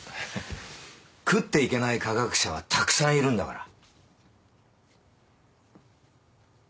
食っていけない科学者はたくさんいるんだから。